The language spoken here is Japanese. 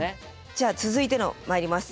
じゃあ続いてのまいります。